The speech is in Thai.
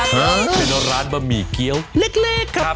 เป็นร้านบะหมี่เกี้ยวเล็กครับ